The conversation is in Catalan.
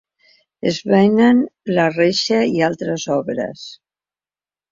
Es venen la reixa i altres obres.